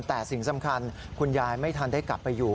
แต่สิ่งสำคัญคุณยายไม่ทันได้กลับไปอยู่